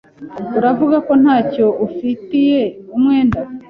Uravuga ko ntacyo umfitiye umwenda?